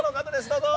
どうぞ！